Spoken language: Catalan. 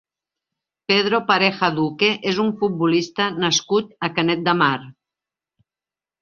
Pedro Pareja Duque és un futbolista nascut a Canet de Mar.